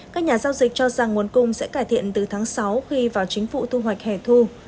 các nhà giao dịch cho rằng nguồn cung sẽ cải thiện từ tháng sáu khi vào chính phủ thu hoạch hẻ thu